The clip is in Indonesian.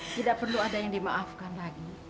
tidak perlu ada yang dimaafkan lagi